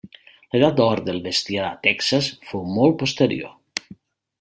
L'edat d'or del bestiar a Texas fou molt posterior.